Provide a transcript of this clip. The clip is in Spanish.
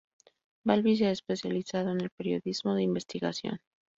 Balbi se ha especializado en el Periodismo de Investigación.